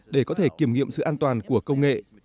để có thể giải quyết các vết thương